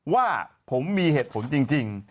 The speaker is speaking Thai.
ว่าผมมีเหตุผลจริง